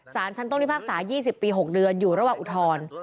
สารชั้นต้นที่ภาคศาสตร์๒๐ปี๖เดือนอยู่ระหว่างอุทร